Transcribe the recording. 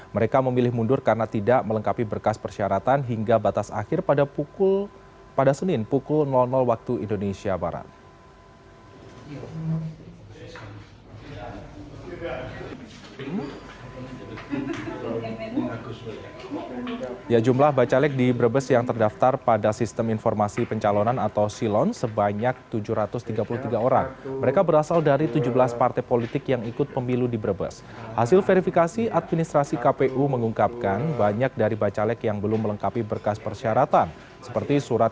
mereka memilih mundur karena tidak melengkapi berkas persyaratan hingga batas akhir pada pukul pada senin pukul waktu indonesia barat